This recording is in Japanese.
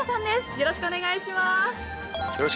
よろしくお願いします